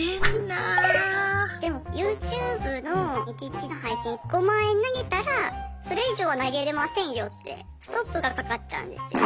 でもＹｏｕＴｕｂｅの１日の配信５万円投げたらそれ以上は投げれませんよってストップがかかっちゃうんですよね。